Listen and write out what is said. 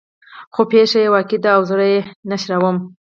خو پېښه يې واقعي ده او زه یې نشروم.